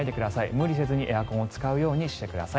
無理せずにエアコンを使うようにしてください。